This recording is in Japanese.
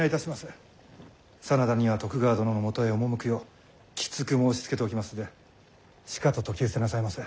真田には徳川殿のもとへ赴くようきつく申しつけておきますでしかと説き伏せなさいませ。